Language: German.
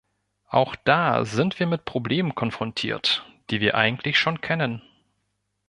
Auch da sind wir mit Problemen konfrontiert, die wir eigentlich schon kennen.